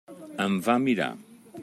Em va mirar.